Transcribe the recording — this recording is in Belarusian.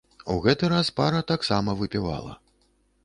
У гэты раз пара таксама выпівала.